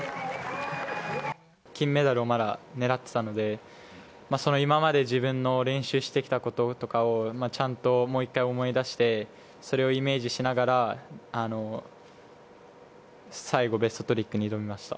金メダルをまだ狙っていたのでその今まで自分の練習してきたこととかをちゃんと、もう１回思い出してそれをイメージしながら最後、ベストトリックに挑みました。